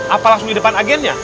apa langsung di depan agennya